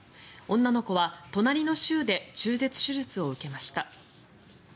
女の子は隣の州で中絶手術を受けました。